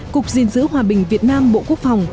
cục dình dữ hòa bình việt nam bộ quốc phòng